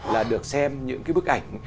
là được xem những cái bức ảnh